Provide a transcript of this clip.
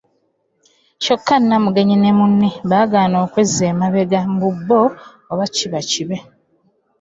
Kyokka Nnamugaanyi ne munne baagaana okwezza emabega mbu oba kiba kibe.